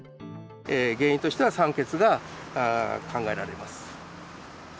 原因としては酸欠が考えられます。